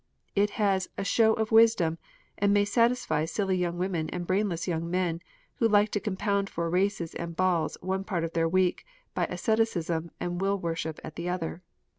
It has a "show of wisdom," and may satisfy silly young women and brainless young men, who like to compound for races and balls one part of their week, by asceticism and will worship at another.